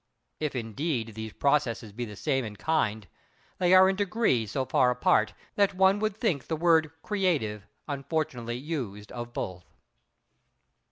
If, indeed, these processes be the same in kind, they are in degree so far apart that one would think the word creative unfortunately used of both....